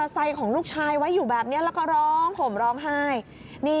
ใส่ของลูกชายไว้อยู่แบบนี้แล้วก็ร้องห่มร้องไห้นี่